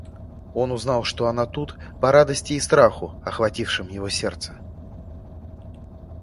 Он узнал, что она тут, по радости и страху, охватившим его сердце.